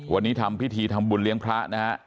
วันนี้ทำพิธีทำบุญเลี้ยงพระนะฮะ